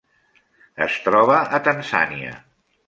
Es troba a Tanzània.